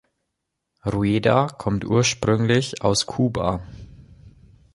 Rueda kommt ursprünglich aus Kuba.